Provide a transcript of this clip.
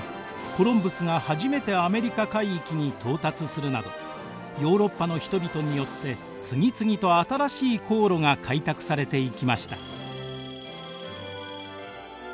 コロンブスが初めてアメリカ海域に到達するなどヨーロッパの人々によって次々と新しい航路が開拓されていきました。